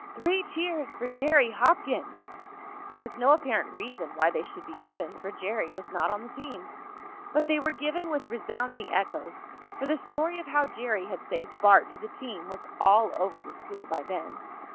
"Three cheers for Jerry Hopkins!" There was no apparent reason why they should be given, for Jerry was not on the team. But they were given with resounding echoes, for the story of how Jerry had saved Bart to the team was all over the school by then.